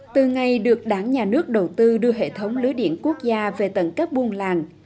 từ ngày được đảng nhà nước đầu tư đưa hệ thống lưới điện quốc gia về tận các buôn làng